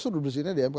sudah bersihinnya di mk